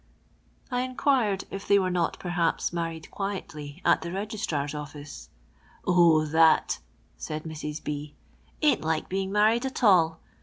"' I inquired if they wore not perhaps married quietly at the Kegistrar's ollice {" O, that," said Mrs B— ," ain't like being married at all.